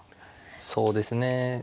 そうですね。